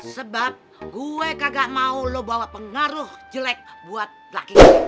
sebab gue kagak mau lo bawa pengaruh jelek buat laki laki